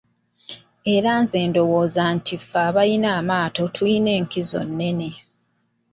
Era nze ndowooza nti ffe abalina amaato tulina enkizo nnene.